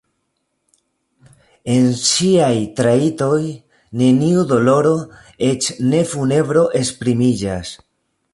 En ŝiaj trajtoj neniu doloro, eĉ ne funebro esprimiĝas.